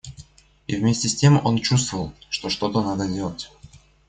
И вместе с тем он чувствовал, что что-то надо сделать.